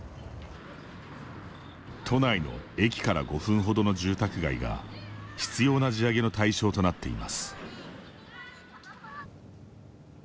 都内の駅から５分程の住宅街が執ような地上げの対象となっています。